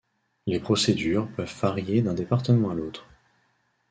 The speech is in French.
Les procédures peuvent varier d'un département à l'autre.